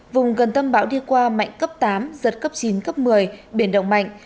vùng gần tâm bão đi qua mạnh cấp tám giật cấp chín cấp một mươi biển động mạnh